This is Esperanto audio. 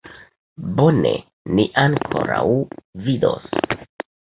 Bone, ni ankoraŭ vidos!